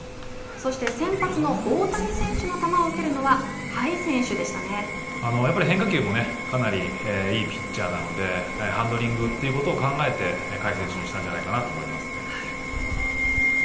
そして先発の大谷選手の球を受けるのは変化球もかなりいいピッチャーなのでハンドリングということを考えて甲斐選手にしたと思います。